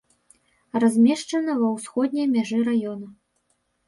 Размешчана ва ўсходняй мяжы раёна.